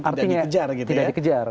artinya tidak dikejar